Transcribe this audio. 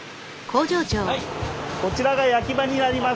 こちらが焼き場になります。